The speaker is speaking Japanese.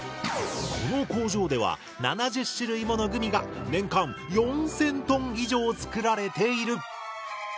この工場では７０種類ものグミが年間４，０００トン以上作られている。